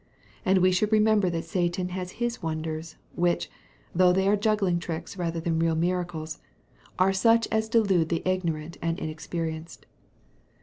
And we should remember that Satan has his wonders, which, though they are juggling tricks rather than real miracles, are such as delude the ignorant and inexperienced.